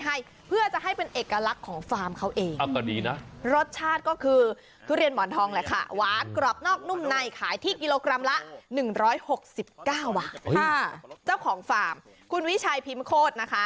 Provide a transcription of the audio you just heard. หนึ่งร้อยหกสิบเก้าจ้าของฟาร์มคุณวิชัยพิมพ์โคตรนะคะ